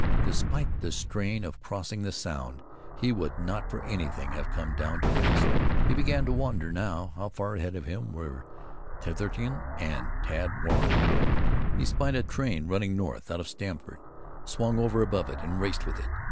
Despite the strain of crossing the Sound, he would not for anything have come down to rest. He began to wonder how afar ahead of him were Titherington and Tad Warren. He spied a train running north out of Stamford, swung over above it, and raced with it.